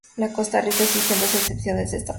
En Costa Rica existen dos acepciones de esta palabra.